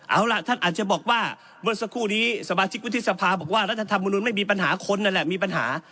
เอาล่ะท่านอาจจะบอกว่าเมื่อสักครู่นี้สมาชิกวุฒิสภาบอกว่ารัฐธรรมนุนไม่มีปัญหาคนนั่นแหละมีปัญหา